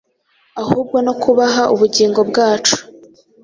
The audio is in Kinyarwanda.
ahubwo no kubaha ubugingo bwacu,